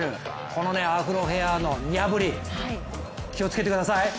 このアフロヘアのニャブリ、気をつけてください。